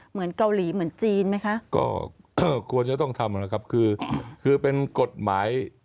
เหมือนเกาหลีเหมือนจีนไหมคะก็ก็ควรจะต้องทำนะครับคือคือเป็นกฎหมาย